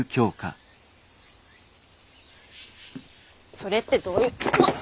それってどういううわっ！